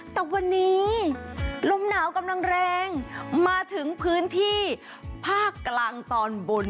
แต่วันนี้ลมหนาวกำลังแรงมาถึงพื้นที่ภาคกลางตอนบน